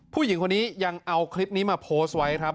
ผู้หญิงคนนี้ยังเอาคลิปนี้มาโพสต์ไว้ครับ